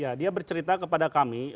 ya dia bercerita kepada kami